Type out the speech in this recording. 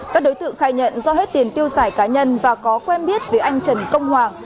các đối tượng khai nhận do hết tiền tiêu xài cá nhân và có quen biết với anh trần công hoàng